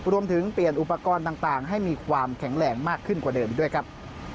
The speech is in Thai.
เปลี่ยนอุปกรณ์ต่างให้มีความแข็งแรงมากขึ้นกว่าเดิมด้วยครับ